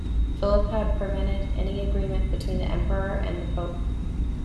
Philip had prevented any agreement between the emperor and the pope.